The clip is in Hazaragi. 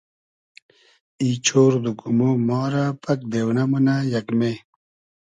ای چۉرد و گومۉ ما رۂ پئگ دېونۂ مونۂ یئگمې